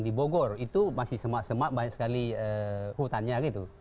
di bogor itu masih semak semak banyak sekali hutannya gitu